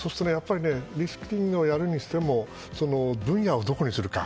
リスキリングをやるにしても分野をどこにするか。